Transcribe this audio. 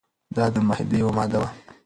دا د معاهدې یوه ماده وه.